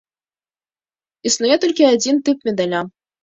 Існуе толькі адзін тып медаля.